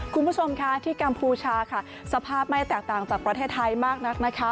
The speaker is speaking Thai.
คุณผู้ชมค่ะที่กัมพูชาค่ะสภาพไม่แตกต่างจากประเทศไทยมากนักนะคะ